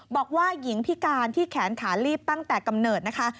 บอกว่าหญิงพิการที่แขนขาลีบตั้งแต่กำเนิดนะคะ